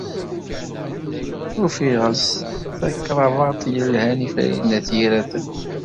Ufiɣ-as-d takrabaḍt yelhan i Farid n At Yiraten.